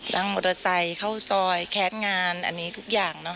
ตั้งอุตสัยเข้าซอยแค้นงานอันนี้ทุกอย่าง